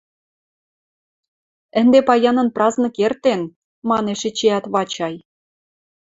— Ӹнде паянын празнык эртен... — манеш эчеӓт Вачай.